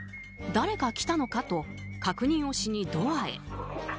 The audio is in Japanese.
誰か来たのかと確認をしにドアへ。